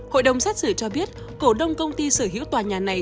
hội đồng xét xử cho biết cổ đông công ty sở hữu tòa nhà này